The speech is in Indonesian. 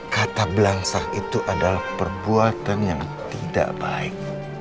kata belangsa itu adalah perbuatan yang tidak baik